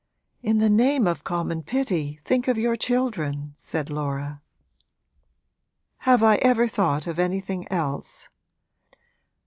'In the name of common pity think of your children!' said Laura. 'Have I ever thought of anything else?